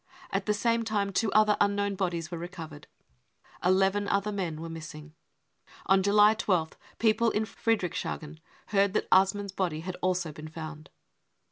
At the same time two other unknown bodies were recovered. Eleven other men were missing. On July i sth people in Friedrichshagen heard that Assmann's body had also been found.